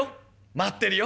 「待ってるよ」。